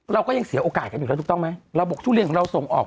เราก็ยังเสียโอกาสต้องผมบอกทุเรียนของเราส่งออก